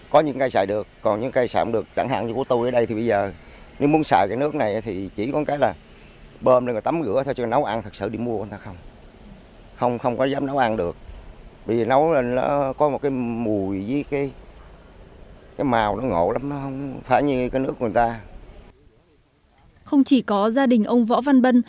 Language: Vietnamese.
không chỉ có gia đình ông võ văn bân